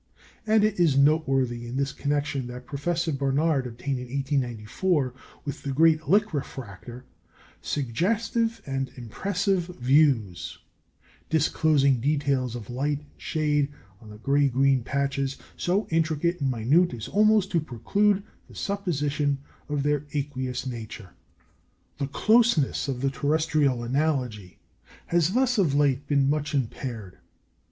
And it is noteworthy in this connection that Professor Barnard obtained in 1894, with the great Lick refractor, "suggestive and impressive views" disclosing details of light and shade on the gray green patches so intricate and minute as almost to preclude the supposition of their aqueous nature. The closeness of the terrestrial analogy has thus of late been much impaired.